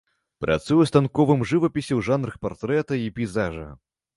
Працуе ў станковым жывапісе ў жанрах партрэта і пейзажа.